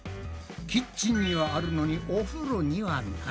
キッチンにはあるのにお風呂にはない。